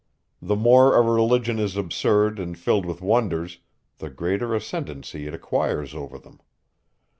The more a religion is absurd and filled with wonders, the greater ascendancy it acquires over them.